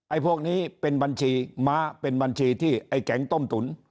พวกนี้เป็นบัญชีม้าเป็นบัญชีที่ไอ้แก๊งต้มตุ๋น